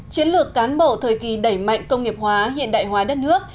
chiến lược cán bộ thời kỳ đẩy mạnh công nghiệp hóa hiện đại hóa đất nước